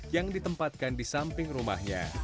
yang ditempatkan di samping rumahnya